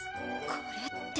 これって。